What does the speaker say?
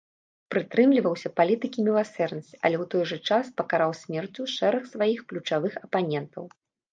Прытрымліваўся палітыкі міласэрнасці, але ў той жа час пакараў смерцю шэраг сваіх ключавых апанентаў.